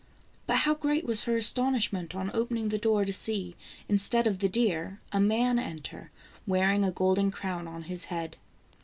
But how great was her astonishment on opening the door, to see, instead of the deer, a man enter, wearing a golden crown on his head.